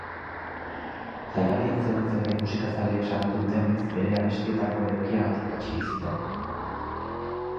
Jaialdian zeuden zenbait musikazalek salatu dutenez, bere abestietako edukiagatik atxiki zuten.